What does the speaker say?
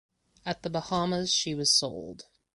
At the Bahamas she was sold.